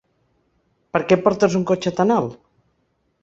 Per què portes un cotxe tan alt?